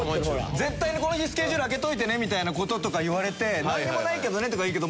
絶対にこの日スケジュール開けといてねみたいな事とか言われて「なんにもないけどね」とか言うけど。